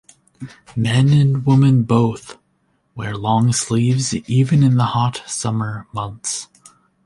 Men and women both wear long sleeves even in the hot summer months.